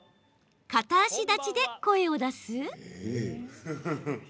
片足立ちで声を出す。